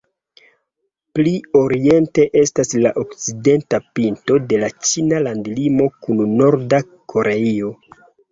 Pli oriente estas la okcidenta pinto de la ĉina landlimo kun Norda Koreio.